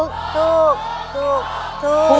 ถูกถูกถูกถูกถูก